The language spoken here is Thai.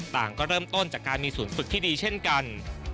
ต่างก็เริ่มต้นจากการมีศูนย์ฝึกที่ดีเช่นกัน